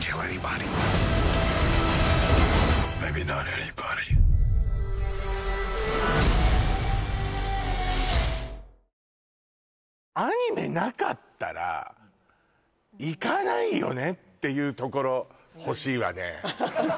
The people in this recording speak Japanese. アニメなかったら行かないよねっていう所ほしいわね